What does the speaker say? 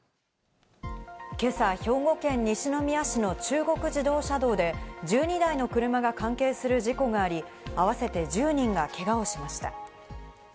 今朝、兵庫県西宮市の中国自動車道で１２台の車が関係する事故があり、合わせて１０人がけがをしました。